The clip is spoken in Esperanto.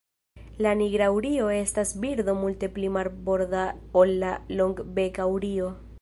La Nigra urio estas birdo multe pli marborda ol la Longbeka urio.